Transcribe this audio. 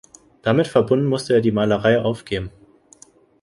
Damit verbunden musste er die Malerei aufgeben.